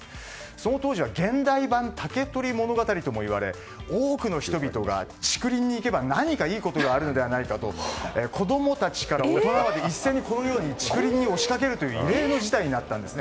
その当時は現代版「竹取物語」ともいわれ多くの人々が、竹林に行けば何かいいことがあるのではないかと子供たちから大人まで一斉にこのように竹林に押しかけるという異例の事態になったんです。